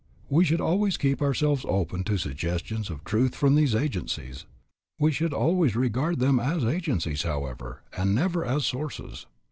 We should always keep ourselves open to suggestions of truth from these agencies. We should always regard them as agencies, however, and never as sources.